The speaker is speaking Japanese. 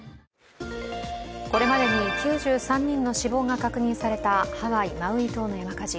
これまでに９３人の死亡が確認されたハワイ・マウイ島の山火事。